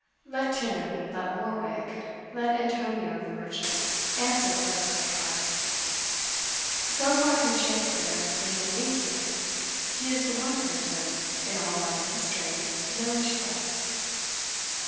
Let Timon, let Warwick, let Antonio the merchant, answer for his great heart. So far from Shakspeare being the least known, he is the one person, in all modern history, known to us.